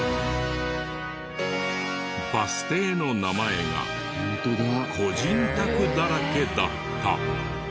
バス停の名前が個人宅だらけだった。